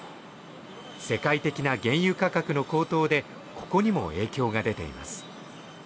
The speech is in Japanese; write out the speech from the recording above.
世界的な原油価格の高騰でここにも影響が出ています